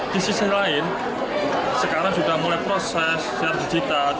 di sisi lain sekarang sudah mulai proses secara digital